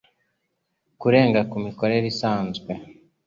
kurenga ku mikorere isanzwe